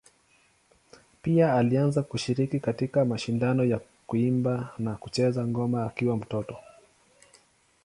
Pia alianza kushiriki katika mashindano ya kuimba na kucheza ngoma akiwa mtoto.